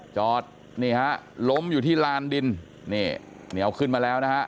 นี่ฮะล้มอยู่ที่ลานดินนี่เหนียวขึ้นมาแล้วนะฮะ